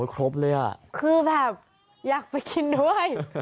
ครบเลยอ่ะคือแบบอยากไปกินด้วย